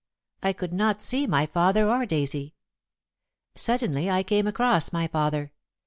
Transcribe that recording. I could not see my father or Daisy. Suddenly I came across my father.